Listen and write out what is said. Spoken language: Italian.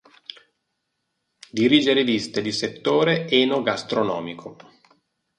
Dirige riviste di settore enogastronomico.